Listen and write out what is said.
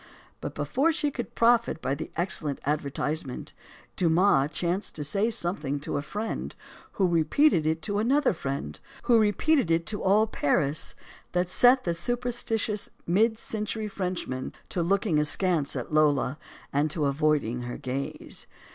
But before she could profit by the excellent advertisement, Dumas chanced to say something to a friend who repeated it to another friend, who repeated it to all Paris that set the superstitious, mid century Frenchmen to looking askance at Lola and to avoiding her gaze.